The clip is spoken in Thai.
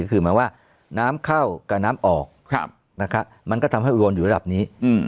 คือหมายว่าน้ำเข้ากับน้ำออกมันก็ทำให้อุดรอยู่ระดับนี้